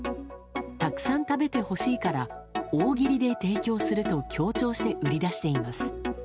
たくさん食べてほしいから大切りで提供すると強調して売り出しています。